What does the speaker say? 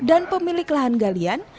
dan pemilik lahan galian